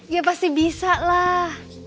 ya pasti bisa lah